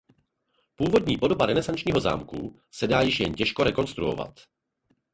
Původní podoba renesančního zámku se dá již jen těžko rekonstruovat.